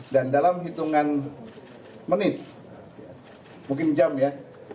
dan dalam hitungan menit mungkin jam ya